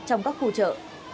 trong các khu chợ